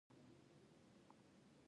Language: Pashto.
هر نوی نسل نوي قوانین مومي.